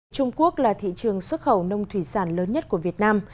trung quốc là thị trường xuất khẩu nông thủy sản lớn nhất của việt nam